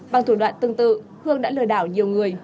bằng thủ đoạn tương tự hương đã lừa đảo nhiều người